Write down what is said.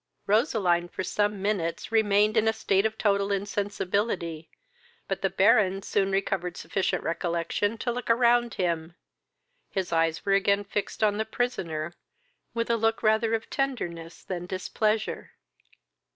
Roseline for some minutes remained in a state of total insensibility, but the Baron soon recovered sufficient recollection to look around him; his eyes were again fixed on the prisoner with a look rather of tenderness than displeasure.